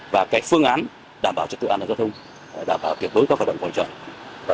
và phương án đảm bảo trật tự an toàn giao thông đảm bảo tuyệt đối các hoạt động của hội trợ